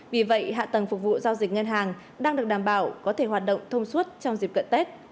vì vậy hạ tầng phục vụ giao dịch ngân hàng đang được đảm bảo có thể hoạt động thông suốt trong dịp cận tết